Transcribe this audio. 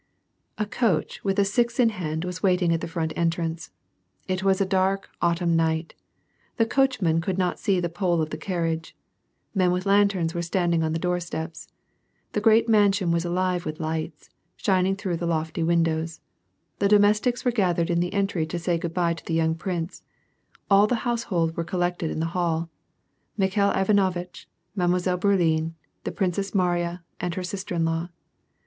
A coach with a six in hand was waiting at the front entrance. It was a dark, autumn night. The coachman could not see the pole of the carriage. Men with lanterns were standing on the doorsteps. The great mansion was alive with lights, shin ing through the lofty windows. The domestics were gathered in the entry to say good by to the young prince ; all the liouse hold were collected in the hall : Mikhail Ivanovitch, Mile. Bour ienne, the Princess Mariya, and her sister in law.